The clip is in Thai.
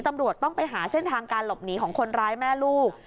ตำรวจต้องไปหาเส้นทางการหลบหนีของคนร้ายแม่ลูก